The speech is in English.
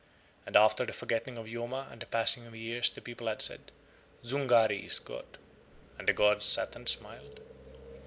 And after the forgetting of Yoma and the passing of years the people had said: "Zungari is god." And the gods sat and smiled.